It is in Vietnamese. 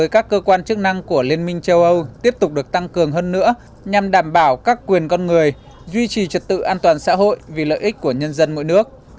các cơ quan chức năng của liên minh châu âu tiếp tục được tăng cường hơn nữa nhằm đảm bảo các quyền con người duy trì trật tự an toàn xã hội vì lợi ích của nhân dân mỗi nước